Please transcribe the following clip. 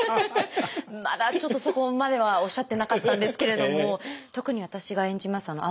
まだちょっとそこまではおっしゃってなかったんですけれども特に私が演じます